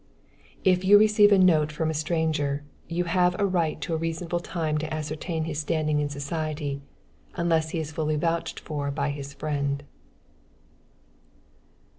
If you receive a note from a stranger, you have a right to a reasonable time to ascertain his standing in society, unless he is fully vouched for by his friend.